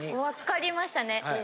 分かりましたね。